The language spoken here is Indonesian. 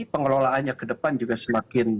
pengelolaannya ke depan juga semakin